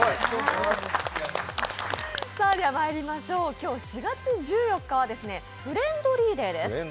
今日４月１４日はフレンドリーデーです。